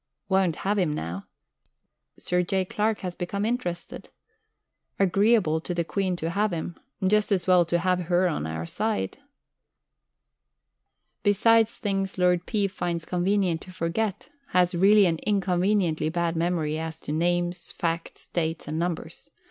Won't have him now. Sir J. Clark has become interested. Agreeable to the Queen to have him just as well to have Her on our side.... Besides things Ld. P. finds convenient to forget, has really an inconveniently bad memory as to names, facts, dates, and numbers.